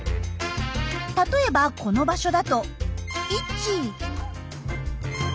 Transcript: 例えばこの場所だと。